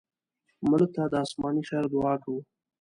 مړه ته د آسماني خیر دعا کوو